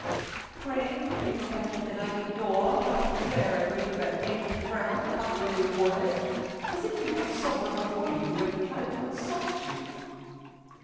"Pray, do you imagine that I can go on while you glare at me with that angry frown puckering your forehead, as if you had someone before you who had tried to insult you?"